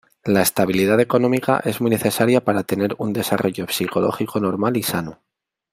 La estabilidad económica es muy necesaria para tener un desarrollo psicológico normal y sano.